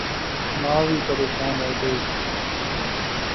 ما وی پریشان ہوئی گئی